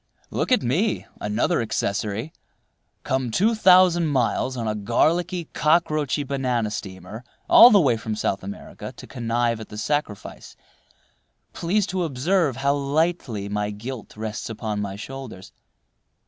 Look at me, another accessory, come two thousand miles on a garlicky, cockroachy banana steamer all the way from South America to connive at the sacrifice—please to observe how lightly my guilt rests upon my shoulders.